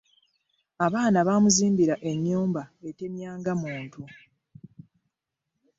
Abaana bamuzimbira ennyumba etemya nga muntu.